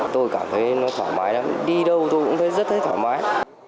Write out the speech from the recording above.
tôi cảm thấy nó thoải mái lắm đi đâu tôi cũng thấy rất là thoải mái